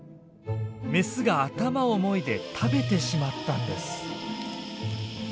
メスが頭をもいで食べてしまったんです。